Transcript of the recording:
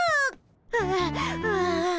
はあはあ。